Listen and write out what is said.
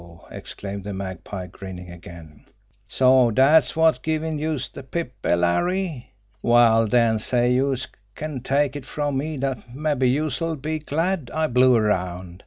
exclaimed the Magpie, grinning again. "So dat's wot's givin' youse de pip, eh, Larry? Well, den, say, youse can take it from me dat mabbe youse'll be glad I blew around.